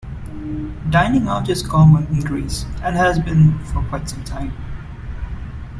Dining out is common in Greece, and has been for quite some time.